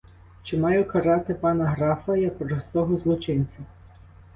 Чи маю карати пана графа як простого злочинця?